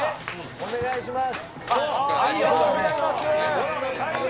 お願いします。